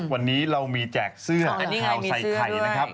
วันนี้เรามีแจกเสื้อข่าวใส่ไข่นะครับ